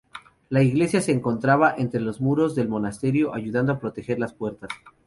La iglesia se encontraba entre los muros del monasterio, ayudando a proteger las puertas.